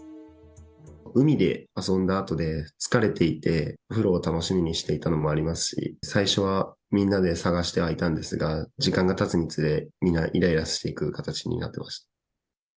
海で遊んだあとで疲れていて、お風呂を楽しみにしていたのもありますし、最初はみんなで探してはいたんですが、時間がたつにつれ、みんな、いらいらしていく形になっていました。